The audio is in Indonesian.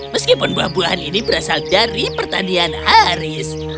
meskipun buah buahan ini berasal dari pertanian haris